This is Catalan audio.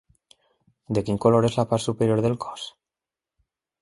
De quin color és la part superior del cos?